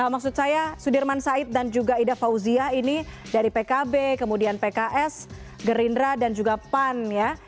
maksud saya sudirman said dan juga ida fauzia ini dari pkb kemudian pks gerindra dan juga pan ya